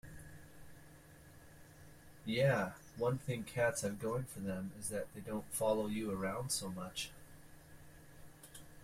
Yeah, one thing cats have going for them is that they don't follow you around so much.